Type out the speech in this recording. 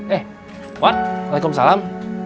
eh wat waalaikumsalam